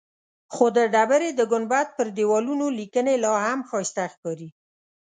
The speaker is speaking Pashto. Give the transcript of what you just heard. خو د ډبرې د ګنبد پر دیوالونو لیکنې لاهم ښایسته ښکاري.